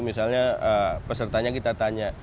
misalnya pesertanya kita tanya